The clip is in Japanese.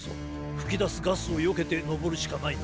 ふきだすガスをよけてのぼるしかないな。